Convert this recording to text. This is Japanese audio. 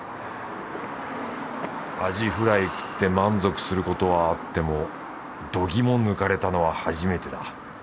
アジフライ食って満足することはあっても度肝抜かれたのは初めてだ。